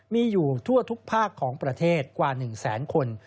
มีอยู่ทั่วทุกภาคของประเทศกว่า๑แสนคน